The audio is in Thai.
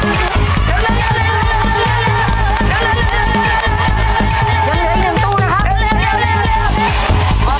ออกแล้วครับ๒ตู้ครับ